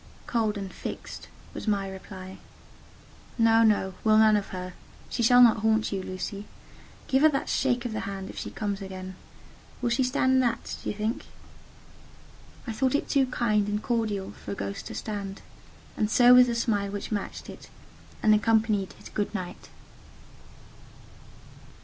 "Cold and fixed," was the reply. "No, no, we'll none of her: she shall not haunt you, Lucy. Give her that shake of the hand, if she comes again. Will she stand that, do you think?" I thought it too kind and cordial for a ghost to stand: and so was the smile which matched it, and accompanied his "Good night."